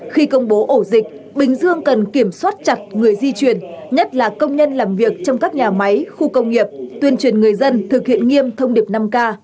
khi công bố ổ dịch bình dương cần kiểm soát chặt người di chuyển nhất là công nhân làm việc trong các nhà máy khu công nghiệp tuyên truyền người dân thực hiện nghiêm thông điệp năm k